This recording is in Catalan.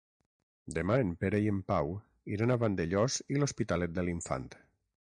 Demà en Pere i en Pau iran a Vandellòs i l'Hospitalet de l'Infant.